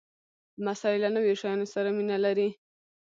لمسی له نویو شیانو سره مینه لري.